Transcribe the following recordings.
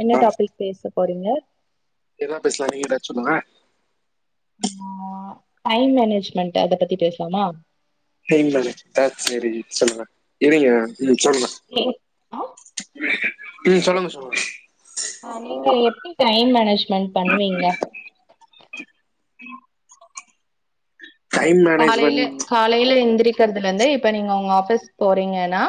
என்ன ஆ டாப்பிக் பேச போறீங்க என்ன பேசலாம் நீங்க எதாச்சு சொல்லுங்க ஆ டைம் மேனேஜ்மெண்ட் அத பத்தி பேசலாமா டைம் மேனேஜ்மென்ட்டா சேரி சொல்லுங்க இருங்க உம் சொல்லுங்க ஏ ம் சொல்லுங்க சொல்லுங்க நீங்க எப்டி டைம் மேனேஜ்மென்ட் பண்ணுவீங்க [unintelligible] டைம் காலையில மேனேஜ்மெண்ட் காலையில எந்திரிக்கிறதுல இருந்து இப்ப நீங்க உங்க ஆபீஸ் போறீங்கனா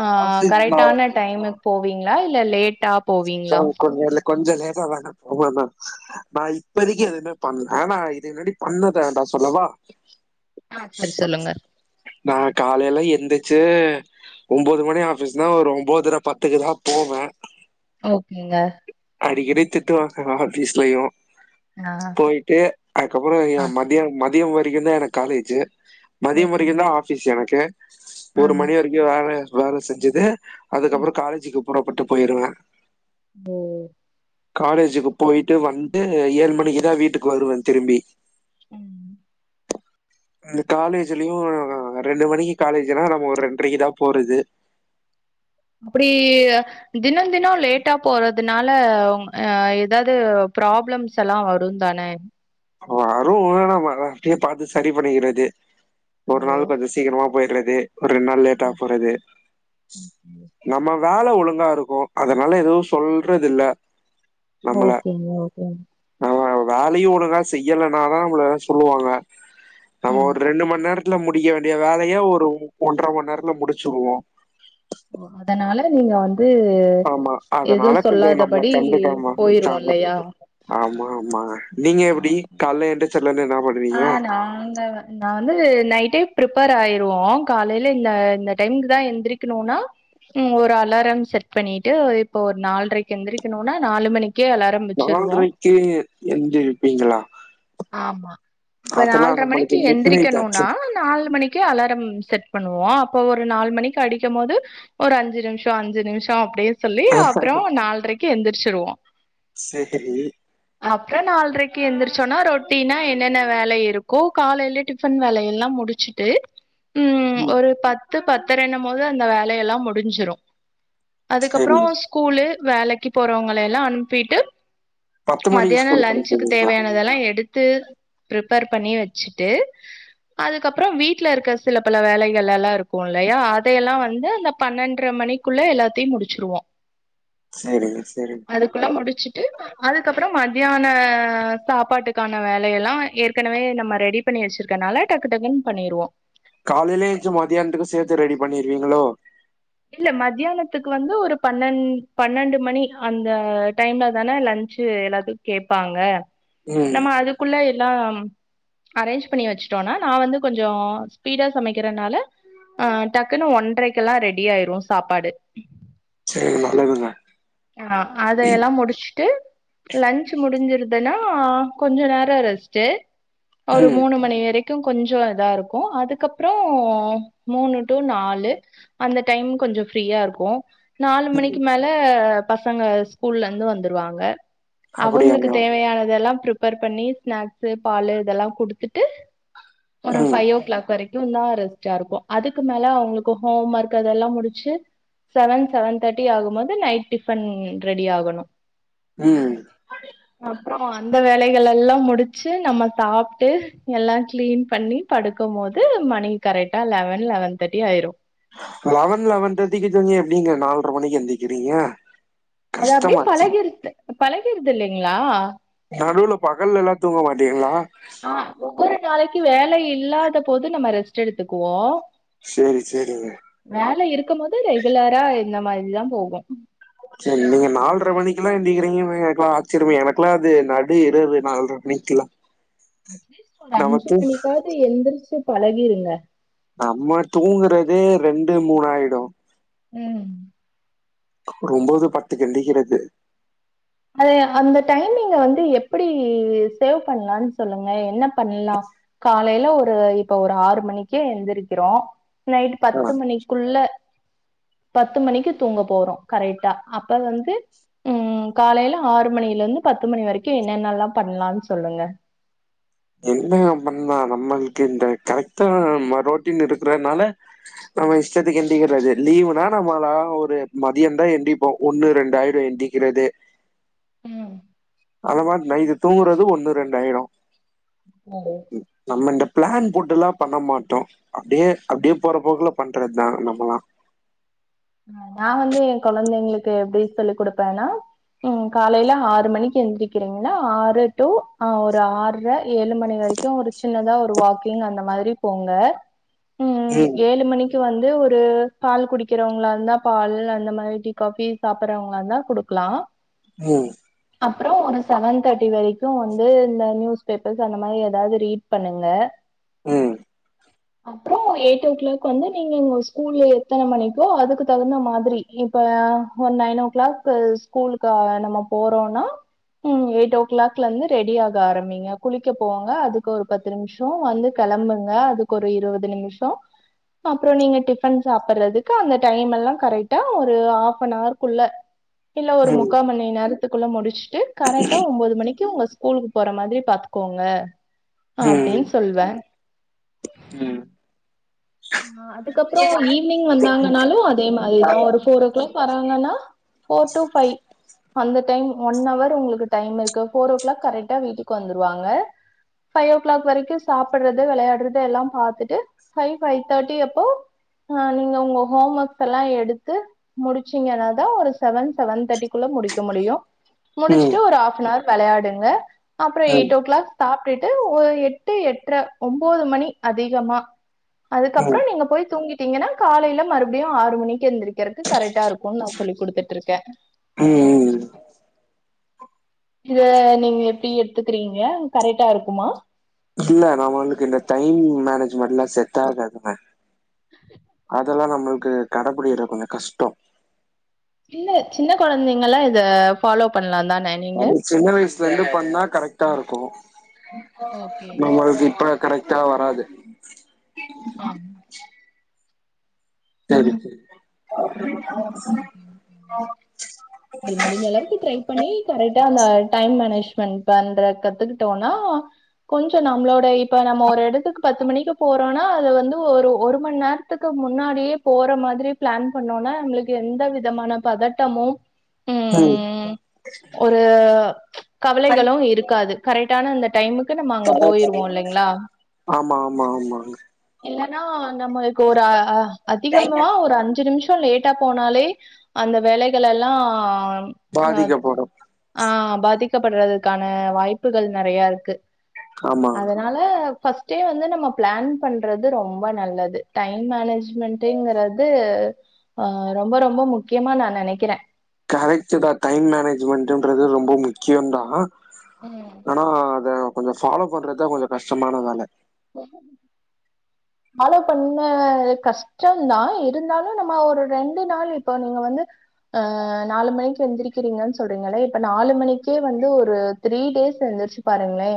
ஆ ஆஃபீஸ் நான் கரெக்டான டைமுக்கு போவீங்களா இல்ல லேட்டா போவீங்களா சாரி கொஞ்சோ இல்ல கொஞ்சோ லேட்டா தான்ங்க போவேன் நானு நா இப்பதைக்கு எதுவுமே பண்ணல ஆனா இது முன்னாடி பண்ணத நா சொல்லவா ஆ சரி சொல்லுங்க நா காலைல எந்துச்சு ஒம்போது மணி ஆபீஸ்னா ஒரு ஒன்போதுர பத்துக்கு தா போவே ஓகேங்க அடிக்கடி திட்டுவாங்க ஆஃபீஸ்லையு ஆஹ் போயி ட்டு அதுக்கப்பறம் என் ஆஹ் மதியம் மதியம் வரைக்கும்ந்தா எனக்கு காலேஜு மதியம் வரைக்கு ஓகேங்க தா ஆஃபீஸ்ஸு எனக்கு ஒரு ஆஹ் மணி வரைக்கு வேல வேல செஞ்சது அதுக்கப்புறம் காலேஜுக்கு புறப்பட்டு போயிருவ உம் காலேஜுக்கு போய்ட்டு வந்து ஏழு மணிக்கு தா வீட்டுக்கு வருவ திரும்பி [inaudible] காலேஜ்லயு ரெண்டு மணிக்கு காலேஜ்னா நம்ம ஒரு ரெண்ட்ரைக்கு தா போறது அப்டி தினம் தினம் லேட்டா போறதுனால ஏதாது ப்ராப்ளம் ச்சலா வரும் தான வரும் ஆனா நம்ம அப்டியே பாத்து சரி பண்ணிக்கிறது ஒரு ஹலோ நாளுக் கொஞ்ச சீக்கிரமா போயிட்றது ஒரு ரெண்டு நாள் லேட்டா ஆ போறது நம்ம வேல ஒழுங்கா இருக்கு அதனால எதுவும் சொல்றது இல்ல நம்மள ஓகேங்க ஓகேங்க நம்ம வேலையு ஒழுங்கா செய்யலனாதா நம்மள எதாது சொல்லுவாங்க நம்ம ம் ஒரு ரெண்டு மண்நேர த்துல முடிக்க வேண்டிய வேலைய ஒரு ஒன்ற மண்நேரத்துல முடிச்சுடுவோ ஓ அதனால நீங்க வந் து ஆமா எதுவு அதனால கொஞ்சோ நம்மள சொல்லாதபடி கண்டுக்காம போயிரு விட்டாங்க இல்லையா ஆமா ஆமா நீங்க எப்டி ஓகே கால்ல எந்துச்சதுலருந்து என்னா பண்ணு ஆ நாங்க வ நா வந்து நைட்டே பிரிப்பேர் ஆயிருவோ காலையில இந்த இந்த டைம்க்கு தா எந்திரிக்கணுன்னா ம் ஒரு அலாரம் செட் பண்ணிட்டு இப்போ ஒரு நால்ரைக்கு எந்திரக்கணுன்னா நாலு மணிக்கே அலார் நால்ரைக்கே எந்திருப்பீங்களா ஆமா இப்ப நால்ர மணிக்கு எந்திரிக்கணுன்னா நாலு மணிக்கு அலாரம் செட் பண்ணுவோ அப்போ ஒரு நாலு மணிக்கு அடிக்கும் போது ஒரு அஞ்சு நிமிஷ அஞ்சு நிமிஷ அப்டியே சொல்லி அப்ற நால்ரைக்கு எந்திரிச்சிருவோ சேரி அப்ற நால்ரைக்கு எந்திரிச்சோன்னா ரொட்டின்னா என்னென்ன வேல இருக்கோ காலையிலே டிஃபன் வேலையெல்லா முடிச்சுட்டு ம் ஒரு பத்து பத்து பத்தரன்னும் போது அந்த வேலையெல்லா முடிஞ்சிரு அதுக்கப்புற சேரிங்க ஸ்கூலு வேலைக்கு போறவங்கள எல்லா அனுப்பிட்டு பத்து மணிக்கு மத்தியான ஸ்கூலுக்கு லன்ச்சுக்கு அனுப்புவீங்களா தேவையானதெல்லா எடுத்து ப்ரிப்பேர் பண்ணி வச்சுட்டு அதுக்கப்புற வீட்ல இருக்கற சில பல வேலைகள் எல்லா இருக்கும் இல்லையா அதையெல்லா வந்து அந்த பன்னெண்ட்ர மணிக் குள்ள எல்லாத்தையு முடிச்சிருவோ சேரிங்க சேரி அதுக்குள்ள முடிச்சுட்டு அதுக்கப்புற மதியான சாப்பாட்டுக்கான வேலையெல்லா ஏற்கனவே நம்ம ரெடி பண்ணி வச்சிருக்கனால டக்கு டக்குன்னு பண்ணிருவோ காலையிலேயே எந்துச்சி மதியானத்துக்கு சேத்து ரெடி பண்ணிருவீங்களோ இல்ல மத்தியானத்துக்கு வந்து ஒரு பன்னன் பன்னெண்டு மணி அந்த டைம்ல தானே லன்ச் ச்சு எல்லாத்துக்கு கேப்பாங்க ம் நம்ம அதுக்குள்ள எல்லா அரேஞ்ச் பண்ணி வச்சுட்டோம்னா நா வந்து கொஞ்ச ஸ்பீடா சமைக்கிறனால ஆ டக்குன்னு ஒன்றைக்கெல்லா ரெடி ஆயிரு சாப்பாடு சேரி நல்லதுங்க ஆ அதையெல்லா முடிஸ்ட்டு லன்ச் முடிஞ்சிருதுன்னா கொஞ்ச நேர ரெஸ்ட்டு ஒரு ம் மூணு மணி வரைக் க்கு கொஞ்சம் இதா இருக்கு அதுக்கப்புற மூணு டு நாலு அந்த டைம் கொஞ்ச ஃப்ரீயா இருப்போ நாலு மணிக்கு ம் மேல பசங்க ஸ்கூல்ல இருந்து வந்துருவாங்க அவங்களுக்கு அப்படியாங்க தேவையானதெல்லா பிரிப் பர் பண்ணி ஸ்நாக்ஸு பாலு இதெல்லா குடுத்துட்டு ஒரு ம் ஃபைவ் ஓ கிளாக் வரைக் குந்தா ரெஸ்ட்டா இருக்கு அதுக்கு மேல அவுங்களுக்கு ஹோம் ஒர்க் அதெல்லா முடிச்சு செவன் செவன் தேர்ட்டி ஆகும் போது நைட் டிஃபன் ரெடி ஆகணு ம் அப்பறோ அந்த வேலைகளெல்லா முடிச்சு நம்ம சாப்ட்டு எல்லாம் கிளீன் பண்ணி படுக்கும் போது மணி கரெக்டா லெவன் லெவன் தேர்ட்டி ஆயிரு லெவன் லெவன் தேர்ட்டிக்கி தூங்கி எப்டிங்க நால்ர மணிக்கு எந்திருக்கிறீங்க அது அப்டியே பழகிரித்து பழகிரிது இல்லைங்ளா நடுவுல பகல்ல எல்லா தூங்க மாட்டீங்களா ஒவ்வொரு நாளைக்கி வேல இல்லாத போது நம்ம ரெஸ்ட்டு எடுத்துக்குவோ சேரி சேரிங்க வேல இருக்கும் போது ரெகுலரா இந்த மாரிதா போகு செரி நீங்க நால்ர மணிக்கெல்லா எந்திக்கிறீங்கன்றது எனக்கெல்லா ஆச்சரியமே எனக்கெல்லா அது நடு இரவு நால்ர மணிக்குல்லா அட்லிஸ் ஒரு அஞ்சு மணிக்காவது எந்துருச்சு பழகிருங்க நம்ம தூங்குறதே ரெண்டு மூணு ஆயிடு ம் ஒரு ஒம்போது பத்துக்கு எந்திரிக்கிறது அது அந்த டைமிங்க வந்து எப்புடி சேவ் பண்ணலான்னு சொல்லுங்க என்னப் பண்லா காலையில ஒரு இப்ப ஒரு ஆறு மணிக்கே எந்திருக்கிறோ நைட்டு் ஆ, பத்து மணிக்குள்ள பத்து மணிக்கு தூங்க போறோ கரெக்டா அப்ப வந்து ம் காலையில ஆறு மணில இருந்து பத்து மணி வரைக்கு என்னென்னல்லா பண்லான் சொல்லுங்க என்னங்க பண்ணா நம்மளுக்கு இந்த கரெக்டான நம்ம ரோட்டீன் இருக்குறனால நம்ம இஷ்டத்துக்கு எந்திரிக்கிறது லீவுனா நம்மலா ஒரு மதியந்தா எந்திரிப்போ ஒண்ணு ரெண்டாயிரு எந்தி கிறது ம் அந்த மார் நைட்டு தூங்குறது ஒண்ணு ரெண்டாயிரு நடு நம்ம இந்த ப்ளான் போட்டெல்லா பண்ண மாட்டோ அப்டியே அப்டியே போறப் போக்குல பண்றதுதா நம்மல்லா நா வந்து ஏ கொழந்தைங்களுக்கு எப்டி சொல்லி குடுப்பேன்னா ம் காலையில ஆறு மணிக்கு எழுந்திருக்கிறீங்களா ஆறு டூ ஆ ஒரு ஆற்ர ஏழு மணி வரைக்கு ஒரு சின்னதா ஒரு வாக்கிங் அந்த மாதிரி போங்க ம் ஏழு மணிக்கு வந்து ஒரு பால் குடிக்கிறவுங்களா ந்தா பால் அந்த மாரி டீ காபி சாப்புட்றவுங்களா இருந்தா குடுக்லா ம் அப்பறோ ஒரு செவன் தேர்ட்டி வரைக்கு வந்து இந்த நியூஸ் பேப்பர்ஸ் அந்த மாரி எதாவது ரீட் பண்ணுங்க ம் அப்பறோ எயிட் ஓ க்ளாக் வந்து நீங்க இங்க ஒரு ஸ்கூல்ல எத்தன மணிக்கோ அதுக்குத் தகுந்த மாதிரி இப்ப ஒரு நைன் ஓ க்ளாக் ஸ்கூலுக்காக நம்ம போறோன்னா ம் எயிட் ஓ க்ளாக்ல இருந்து ரெடி ஆக ஆரம்பிங்க குளிக்க போங்க அதுக்கு ஒரு பத்து பத்து நிம்ஷோ வந்து கெளம்புங்க அதுக்கு ஒரு இருவது நிம்ஷோ அப்பறோ நீங்க டிஃபன் சாப்படுறதுக்கு அந்த டைமெல்லா கரெக்டா ஒரு ஹாஃப்ப நவர் குள்ள இல்ல ஒரு ம் முக்கா மணி நேரத் இதுக்குள்ள முடிச்சுட்டு கரெக்டா ஒன்போது மணிக்கி உங்க ஸ்கூலுக்கு போற மாதிரி பாத்துக்கோங்க ம் அப்டின் சொல்லுவே ம் ஆ அதுக்கப்றோ ஈவினிங் வந்தாங்கன்னாலு அதே மாரிதா ஒரு ஃபோர் ஓ க்ளாக் வறாங்கன்னா ஃபோர் டு ஃபை அந்த டைம் ஒன் ஹவர் உங்களுக்கு டைம் இருக்கு ஃபோர் ஓ கிளாக் கரெக்டா வீட்டுக்கு வந்துருவாங்க ஃபைவ் ஓ கிளாக் வரைக்கு சாப்டுறது வெளையாடுறது எல்லா பாத்துட்டு ஃபைவ் தேர்ட்டி அப்போ அ நீங்க உங்க ஹோம் ஒர்க்ஸ் எல்லா எடுத்து முடிச்சீங்கன்னாதா ஒரு செவன் செவன் தேர்ட்டிக்குள்ள முடிக்க முடியு ம் ம் முடிச்சுட்டு ஒரு ஹாஃப் நவர் வெளையாடுங்க அப்புற எயிட் ஓ கிளாக் சாப்பிட்டுட்டு ஒரு எட்டு எட்ர ஒன்பது மணி அதிகமா அதுக்கப்புற ம் நீங்க போய் தூங்கிட்டீங்கன்னா காலையில மறுபடியு ஆறு மணிக்கு எந்திரு க்றகு கரெக்டா இருக்குனு நா சொல்லி குடுத்துட்டு இருக்கே ம் இத நீங்க எப்டி எடுத்துக்கிறீங்க கரெக்டா இருக்குமா இல்ல நம்மளுக்கு இந்த டைம் மேனேஜ்மெண்ட் எல்லா செட் ஆகாதுங்க அதெல்லா நம்மளுக்கு கட புடிக்கிறது கொஞ்சோ கஷ்டோ இல்ல சின்ன கொழந்தைங்கல இத ஃபாலோ பண்ணலா தான நீங்க அது சின்ன வயசுல இருந்து பண்ணா கரெக்டா இருக்கு ஓகே நம்மளுக்கு இப்ப கரெக்ட் டா வராது ம் சரி சரி நீ முடிச்ச அளவுக்கு ட்ரை பண்ணி கரெக்டா அந்த டைம் மேனேஜ்மெண்ட் பண்ற கத்துக்கிட்டோம்னா கொஞ்ச நம்மளோட இப்ப நம்ம ஒரு எடத்துக்கு பத்து மணிக்கு போறோனா அது வந்து ஒரு ஒரு மணி நேரோ எடத்துக்கு முன்னாடியே போற மாரி பிளான் பண்ணோனா நம்மளுக்கு எந்த விதமான பதட்டமு ம் ஒரு கவலைகளு இருக்காது கரெக்டான அந்த டைமுக்கு நம்ம அங்க போயிருவோ இல்லங்களா ஆமா ஆமா ஆமா இல்லனா நம்மளுக்கு ஒரு அ அ அதிக ஒரு அஞ்சு நிமிஷ லேட்டா போனாலே அந்த வேலைகள் எல்லா அ பாதிக்கப்படு ஆ பாதிக்கப்படுறதுக்கான வாய்ப்புகள் நெறைய இருக்கு ஆமா அதனால ஃபஸ்ட்டே வந்து நம்ம ப்ளான் பண்றது ரொம்ப நல்லது டைம் மேனேஜ் மெண்டுங்கறது ஆ ரொம்ப ரொம்ப முக்கியமா நா நெனைக்கிறே கரெக்ட் தா டைம் மேனேஜ்மெண்ட்ன்றது ரொம்ப முக்கியம் தா ம். ஆனா அத கொஞ்ச ஃபாலோ பண்றதுதா கொஞ்சோ கஷ்டமான வேல ஃபாலோ பண்ணா கஷ் டந்தா இருந்தாலு நம்ம ஒரு ரெண்டு நாள் இப்போ நீங்க வந்து அ நாலு மணிக்கு எந்திருக்கிறீங்கன்னு சொல்றீங்களே இப்ப நாலு மணிக்கே வந்து ஒரு த்ரீ டேஸ் எந்திரிச்சு பாருங்களே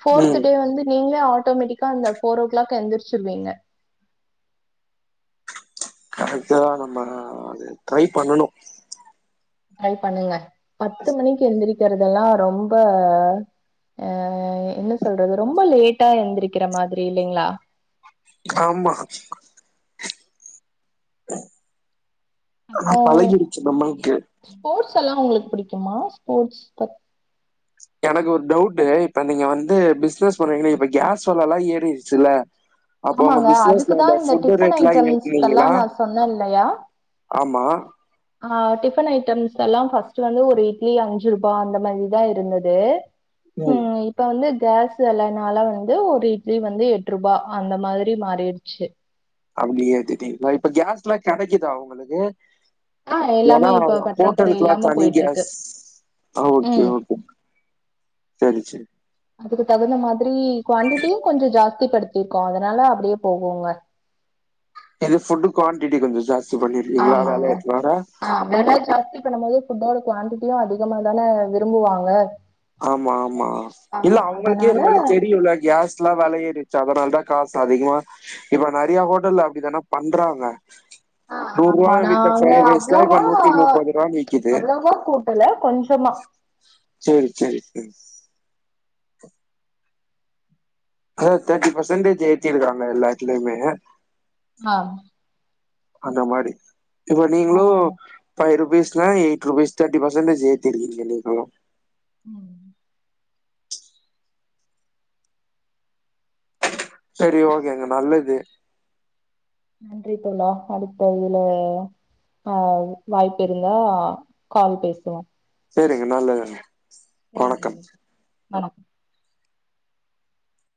ஃபோர்த் ம் டே வந்து நீங்களே ஆட்டோமேட்டிக்கா அந்த ஃபோர்வோ கிளாக் எந்துடுச்சிருவிங்க அடுத்ததா நம்ம அது ட்ரை பண்ணனு ட்ரை பண்ணுங்க பத்து மணிக்கு எந்திரிக்கறதெல்லா ரொம்ப அ என்ன சொல்றது ரொம்ப லேட்டா எந்திரக்கிற மாதிரி இல்லீங்களா ஆமா அ இப்போ பழகிடுச்சு நம்மளுக்கு ஸ்போர்ட்ஸ் எல்லா உங்களுக்கு புடிக்குமா ஸ்போர்ட் பத் எனக்கு ஒரு டவுட் இப்ப நீங்க வந்து பிசினஸ் பண்றீங்கன்னா இப்ப கேஸ் விலை எல்லா ஏறிருச்சுல்ல ஆமாங்க அதுக்குதா இந்த டிஃபன் ரேட்லா ஐட்டம்ஸ் கல்லா ஏத்துனீங்களா நா சொன்னல்லையா ஆமா ஆ டிஃபன் ஐட்டம்ஸ் எல்லா ஃபஸ்ட்டு வந்து ஒரு இட்லி அஞ்சு ரூபா அந்த மாதிதா இருந்தது உ ப்ப வந்து கேல்ஸ் வெல னால வந்து ஒரு இட்லி வந்து எட்ரூபா அந்த மாதிரி மாறிர்ச்சு அப்டியே திடி நா இப்ப கேஸ்லா கடைக்கிதா உங்களுக்கு ஆ எல்லாமே ஏன்னா இப்ப பற்றாக்குறை ஹோட்டல்க்ளா இல்லாம தணி போயிட்டுருக்கு. கேஸ் அ ம். ஓகே ஒகேங் தெரி ச்சே அதுக்கு தகுந்த மாத்ரி க்வான்ட்டிட்டியு கொஞ்ச ஜாஸ்தி படுத்திர்க்கோ அதனால அப்டியே போகுங்க எது ஃபுட்டு் க்வான்டிட்டி கொஞ்சோ ஜாஸ்தி பண்ணிர்க்கீங்ளா வேல ஏத்துனால அ வில ஜாஸ்தி பண்ணும்போது ஃபுட்டோட க்வான்டிட்டியு அதிகமாதான விரும்புவாங்க ஆமா ஆமா ஆ இல்ல அவ்ங்கள்க்கே அதனால இருந்தாலு தெரியுல்ல கேஸ் ல்லா வில ஏறிர்ச்சு அதனால் தா காஸ் அதிகமா இப்ப நறியா ஹோட்டல்ல அப்டித்தான பண்றாங்க ஆ ஆமா நூற்வால்லா வி்த்த நாங்க ப்ரைட் ரைஸ்லா இப்ப அவ்வளவா நூத்தி முப்பத் ரூவான் விக்கிது அவ்வளவா கூட்டல கொஞ்சமா ச்சேரி ச்சேரி ஃப்ரண்ஸ் ஹா தேட்டி பர்சன்டேஜ் ஏத்திருக்காங்க எல்லாத்துலயுமே மாம் அந்த மாறி இப்ப நீங்ளு ஆமாங்க பை ருபீஸ்னா எய்ட் ருபீஸ் தேட்டி பர்சன்டேஜ் ஏத்திருக்கீங்க நீங்களு உம் சரி ஓகேங்க நல்லது நன்றி தோழா அடுத்த ஐயில பாவு வாய்ப்பிருந்தா கால் பேசலா ச்சேரிங்க நல்லதுங்க வணக்கம் நன்றிங்க வணக்கோ